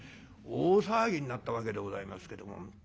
大騒ぎになったわけでございますけども。